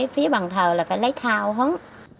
phía bàn thờ là phải lấy thao hấn